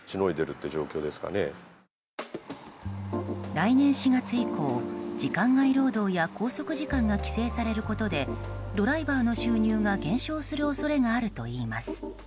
来年４月以降、時間外労働や拘束時間が規制されることでドライバーの収入が減少する恐れがあるといいます。